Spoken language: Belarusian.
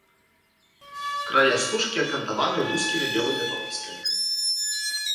Края стужкі акантаваны вузкімі белымі палоскамі.